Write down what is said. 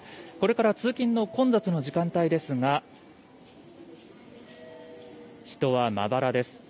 これから通勤の混雑の時間帯ですが、人はまばらです。